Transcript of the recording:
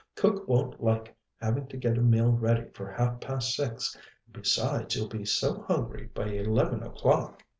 Cook won't like having to get a meal ready for half past six, and, besides, you'll be so hungry by eleven o'clock."